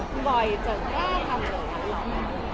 คุณบอลอธจนกล้าทำเหลือกราบร้อย